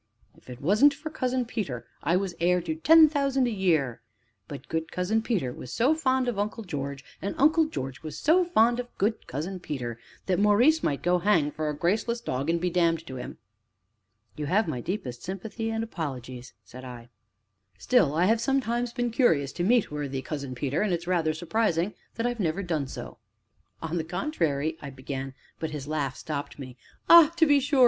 If it wasn't for Cousin Peter, I was heir to ten thousand a year; but good Cousin Peter was so fond of Uncle George, and Uncle George was so fond of good Cousin Peter, that Maurice might go hang for a graceless dog and be damned to him!" "You have my deepest sympathy and apologies!" said I. "Still, I have sometimes been curious to meet worthy Cousin Peter, and it is rather surprising that I have never done so." "On the contrary " I began, but his laugh stopped me. "Ah, to be sure!"